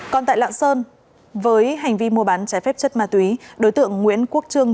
còn tại lạng sơn với hành vi mua bán trái phép chất ma túy đối tượng nguyễn quốc trương